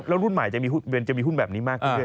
แล้วรุ่นใหม่จะมีหุ้นแบบนี้มากขึ้นด้วย